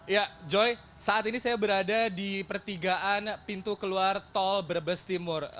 ya joy saat ini saya berada di pertigaan pintu keluar tol brebes timur